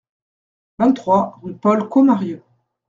vingt-trois rue Paul Commarieu